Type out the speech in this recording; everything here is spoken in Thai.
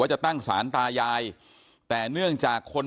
จะตั้งสารตายายแต่เนื่องจากคน